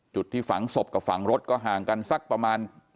จุดที่ฝังศพกับฝังรถก็ห่างกันสักประมาณ